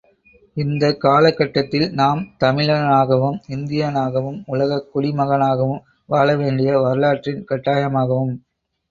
இந்தக் காலக் கட்டத்தில் நாம் தமிழனாகவும் இந்தியனாகவும் உலகக் குடிமகனாகவும் வாழ வேண்டியது வரலாற்றின் கட்டாயமாகும்.